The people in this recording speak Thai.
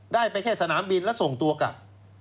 ได้ไปแค่สนามบินแล้วส่งตัวกลับ